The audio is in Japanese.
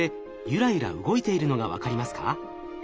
ゆらゆら動いているのが分かりますか？